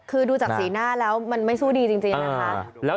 คือดูจากสีหน้าแล้วมันไม่สู้ดีจริงนะคะ